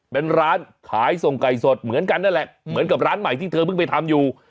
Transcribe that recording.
เป็นร้านขายส่งไก่สดเหมือนกันนั่นแหละเหมือนกับร้านใหม่ที่เธอเพิ่งไปทำอยู่